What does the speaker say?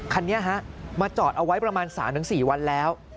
คันนี้มาจอดเอาไว้ประมาณ๓๔วันแล้ว